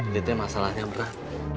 lihatnya masalahnya berat